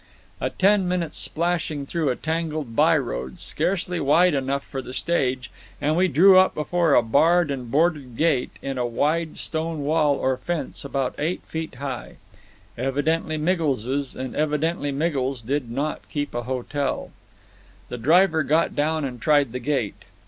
A ten minutes splashing through a tangled by road, scarcely wide enough for the stage, and we drew up before a barred and boarded gate in a wide stone wall or fence about eight feet high. Evidently Miggles's, and evidently Miggles did not keep a hotel. The driver got down and tried the gate.